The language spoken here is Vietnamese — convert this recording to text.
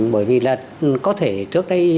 bởi vì là có thể trước đây